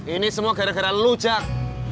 ini semua gara gara lo jack